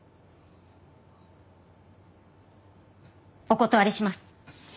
お断りします。